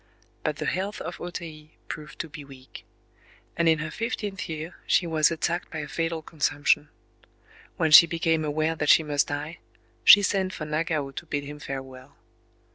But the health of O Tei proved to be weak; and in her fifteenth year she was attacked by a fatal consumption. When she became aware that she must die, she sent for Nagao to bid him farewell.